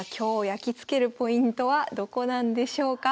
やきつけるポイントはどこなんでしょうか？